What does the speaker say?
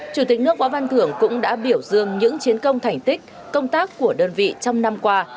chủ tịch nước võ văn thưởng cũng đã biểu dương những chiến công thành tích công tác của đơn vị trong năm qua